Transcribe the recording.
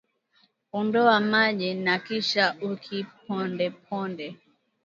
Ondoa maji na kisha ukipondeponde